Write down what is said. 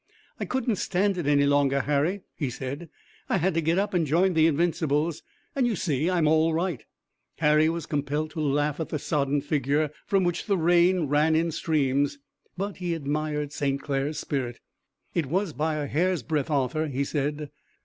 "I couldn't stand it any longer, Harry," he said. "I had to get up and join the Invincibles, and you see I'm all right." Harry was compelled to laugh at the sodden figure, from which the rain ran in streams. But he admired St. Clair's spirit. "It was by a hair's breadth, Arthur," he said.